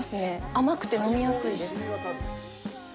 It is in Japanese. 甘くて飲みやすいです。